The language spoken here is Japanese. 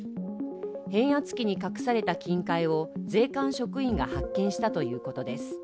変圧器に隠された金塊を税関職員が発見したということです。